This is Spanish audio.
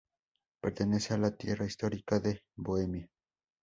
Pertenece a la tierra histórica de Bohemia.